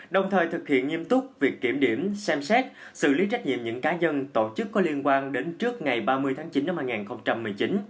đồng thời thực hiện nghiêm túc việc kiểm điểm xem xét xử lý trách nhiệm những cá nhân tổ chức có liên quan đến trước ngày ba mươi tháng chín năm hai nghìn một mươi chín